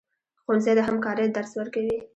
ښوونځی د همکارۍ درس ورکوي